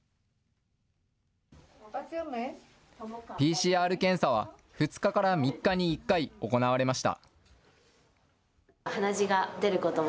ＰＣＲ検査は２日から３日に１回、行われました。